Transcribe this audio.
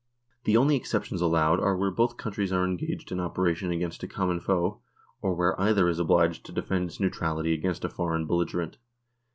The only exceptions allowed are where both countries are engaged in operation against a common foe, or where either is obliged to defend its neutrality against a foreign belligerent.